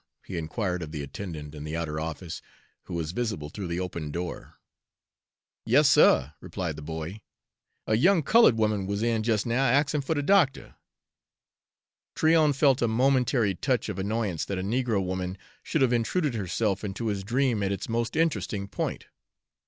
he inquired of the attendant in the outer office, who was visible through the open door. "Yas, suh," replied the boy, "a young cullud 'oman wuz in jes' now, axin' fer de doctuh." Tryon felt a momentary touch of annoyance that a negro woman should have intruded herself into his dream at its most interesting point.